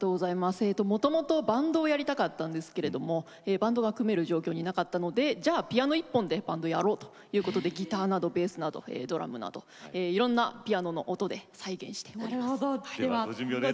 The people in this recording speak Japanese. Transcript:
もともとバンドをやりたかったんですけどバンドが組める状況になかったのでじゃあ、ピアノ一本でバンドやろうということでギター、ベースドラムなどいろんなピアノの音で再現しております。